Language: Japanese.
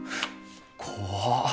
怖っ。